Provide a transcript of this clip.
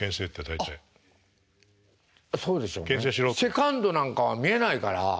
セカンドなんかは見えないから。